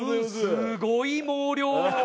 すごい毛量！